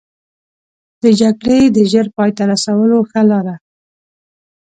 د جګړې د ژر پای ته رسولو ښه لاره.